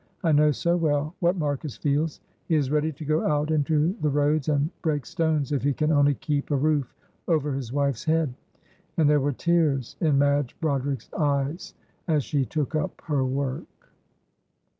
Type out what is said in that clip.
I know so well what Marcus feels; he is ready to go out into the roads and break stones if he can only keep a roof over his wife's head." And there were tears in Madge Broderick's eyes as she took up her work.